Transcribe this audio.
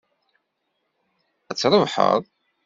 Ad trebḥeḍ.